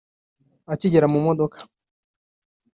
Akigera mu modoka